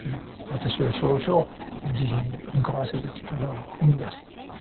私を少々慈悲に向かわせる力を生み出すと。